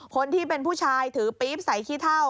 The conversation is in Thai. คนที่เป็นผู้ชายถือปี๊บใส่ขี้เท่า